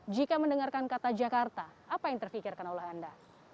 jika mendengarkan kata jakarta apa yang terfikirkan oleh anda